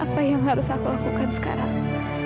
apa yang harus aku lakukan sekarang